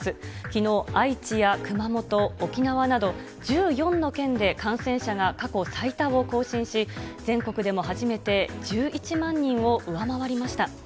きのう、愛知や熊本、沖縄など、１４の県で感染者が過去最多を更新し、全国でも初めて１１万人を上回りました。